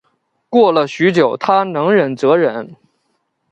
过了许久她能忍则忍